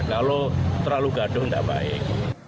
kalau terlalu gaduh tidak baik